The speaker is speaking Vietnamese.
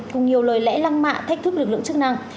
cùng nhiều lời lẽ lăng mạ thách thức lực lượng chức năng